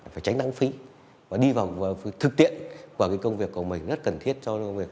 phải tránh lãng phí và đi vào thực tiện của công việc của mình rất cần thiết cho việc